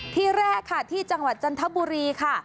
ที่แรกค่ะที่จังหวัดจันทบุรีค่ะ